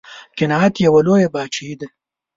قناعت یوه لویه بادشاهي ده.